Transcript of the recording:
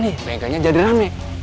ini bengkelnya jadi rame